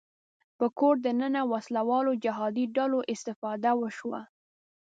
په کور دننه وسله والو جهادي ډلو استفاده وشوه